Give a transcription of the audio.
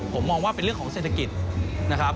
ผมมองว่าเป็นเรื่องของเศรษฐกิจนะครับ